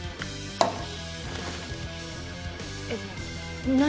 えっ何？